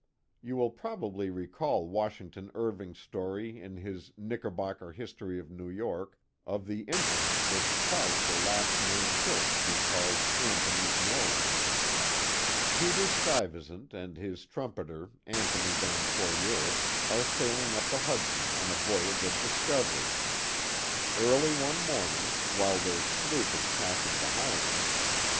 You will probably recall Washington Irving's story in his Knickerbocker History of New York, of the incident which caused the last named hill to be called " Anthony's Nose." Peter Sluyvesant and his trumpeter, Antony Van Corlear, are sailing up the Hudson on a voyage of discovery. Early one morning, while their sloop is passing the highlands, V.